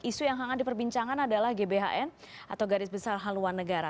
isu yang hangat diperbincangkan adalah gbhn atau garis besar haluan negara